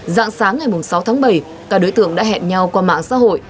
dạng sáng ngày sáu tháng bảy các đối tượng đã hẹn nhau qua mạng xã hội